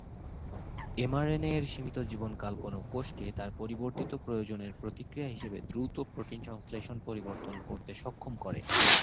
এমআরএনএ-এর সীমিত জীবনকাল কোনও কোষকে তার পরিবর্তিত প্রয়োজনের প্রতিক্রিয়া হিসাবে দ্রুত প্রোটিন সংশ্লেষণ পরিবর্তন করতে সক্ষম করে।